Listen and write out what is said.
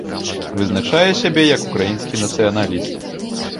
Вызначае сябе як украінскі нацыяналіст.